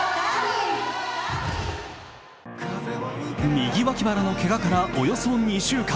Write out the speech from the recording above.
右脇腹のけがからおよそ２週間。